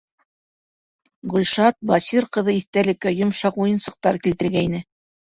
Гөлшат Басир ҡыҙы иҫтәлеккә йомшаҡ уйынсыҡтар килтергәйне.